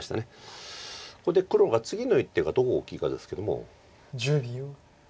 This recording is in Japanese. ここで黒が次の一手がどこが大きいかですけども。